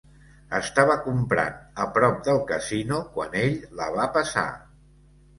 Estava comprant a prop del casino quan ell la va passar.